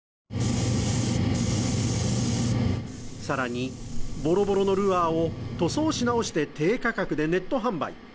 更に、ボロボロのルアーを塗装し直して、低価格でネット販売。